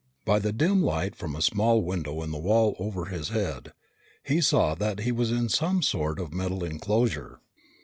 By the dim light from a small window in the wall over his head, he saw that he was in some sort of metal enclosure.